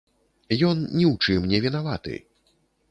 Ён ні ў чым невінаваты.